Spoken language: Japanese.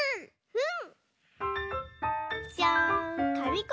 うん！